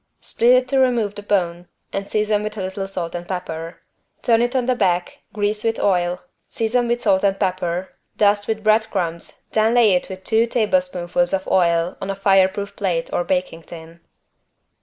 Split it to remove the bone, and season with a little salt and pepper. Turn it on the back, grease with oil, season with salt and pepper, dust with bread crumbs then lay it with two tablespoonfuls of oil on a fireproof plate or baking tin.